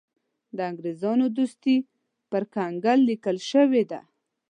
د انګرېزانو دوستي پر کنګل لیکل شوې ده.